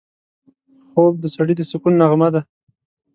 خوب د سړي د سکون نغمه ده